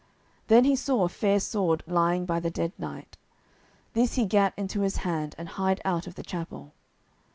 Then he saw a fair sword lying by the dead knight. This he gat into his hand and hied out of the chapel.